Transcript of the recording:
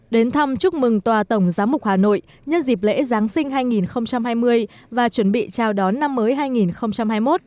đến thăm chúc mừng tòa tổng giám mục hà nội nhân dịp lễ giáng sinh hai nghìn hai mươi và chuẩn bị chào đón năm mới hai nghìn hai mươi một